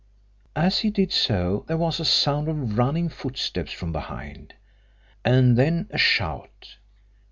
As he did so there was a sound of running footsteps from behind, and then a shout.